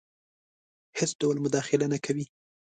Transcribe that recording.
هیڅ ډول مداخله نه کوي.